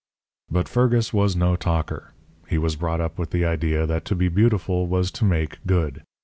"But Fergus was no talker. He was brought up with the idea that to be beautiful was to make good.